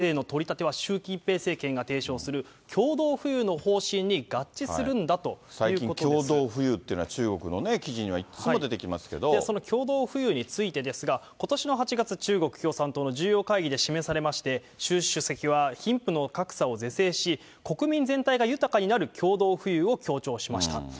宮崎さんによりますと、中国当局によるエンタメ業界への管理強化の中でも脱税の摘発と逃した税の取り立ては、習近平政権が提唱する共同富裕の方針に合致するんだということで共同富裕というのが、中国のその共同富裕についてですが、ことしの８月、中国共産党の重要会議で示されまして、習主席は、貧富の格差を是正し、国民全体が豊かになる共同富裕を強調しました。